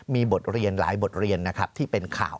มีบทเรียนหลายบทเรียนนะครับที่เป็นข่าว